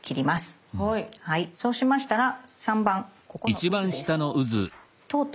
そうしましたら３番ここのうずです。